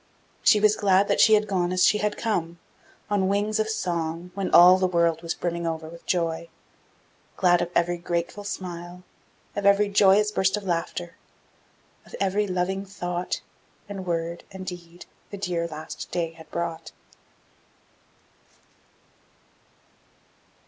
She was glad that she had gone, as she had come, on wings of song, when all the world was brimming over with joy; glad of every grateful smile, of every joyous burst of laughter, of every loving thought and word and deed the dear, last day had brought.